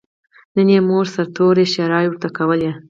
نن یې مور سرتور ښېرې ورته کولې.